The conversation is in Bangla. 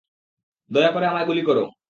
দয়া করে আমায় গুলি করো!